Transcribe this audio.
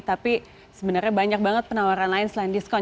tapi sebenarnya banyak banget penawaran lain selain diskon